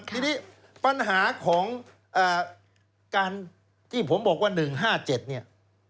ทีนี้ปัญหาของการที่ผมบอกว่า๑๕๗เนี่ย